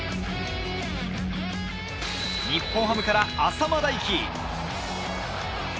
日本ハムから淺間大基。